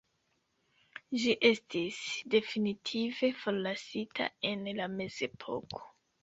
Ĝi estis definitive forlasita en la mezepoko.